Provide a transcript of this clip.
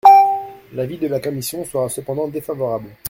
L’avis de la commission sera cependant défavorable.